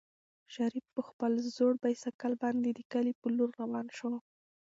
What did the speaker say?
شریف په خپل زوړ بایسکل باندې د کلي په لور روان شو.